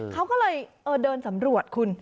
เขาก็เลยเดินสำรวจคุณ